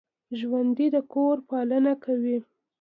ژوندي د کور پالنه کوي